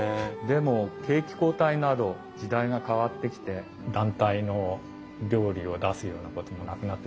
でも景気後退など時代が変わってきて団体の料理を出すようなこともなくなってしまった。